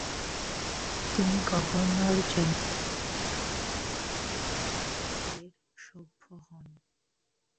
তিনি গভর্নর জেনারেলের লেজিসলেটিভ কাউন্সিলের সভ্য হন।